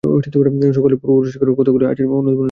সকলেই পূর্বপুরুষগণের কতকগুলি আচার অনুমোদন করিয়াই সন্তুষ্ট ছিল।